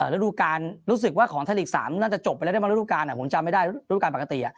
ฤดูการรู้สึกว่าของธนิกสารน่าจะจบไปแล้วฤดูการผมจำไม่ได้ฤดูการปกติ